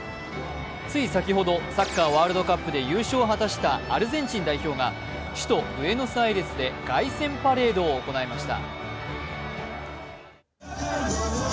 つい先ほどサッカー・ワールドカップで優勝を果たしたアルゼンチンが首都ブエノスアイレスで凱旋パレードを行いました。